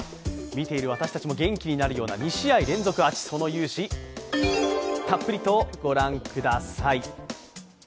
見ている私たちも元気になるような２試合連続アーチ、その雄姿たっぷりと御覧ください。